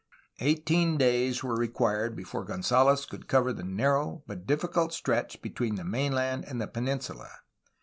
Eighteen days were required before Gonzalez could cover the narrow but difficult stretch between the mainland and the peninsula.